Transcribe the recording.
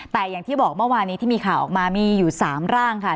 แต่อย่างที่บอกเมื่อวานี้ที่มีข่าวออกมามีอยู่๓ร่างค่ะ